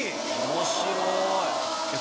面白い。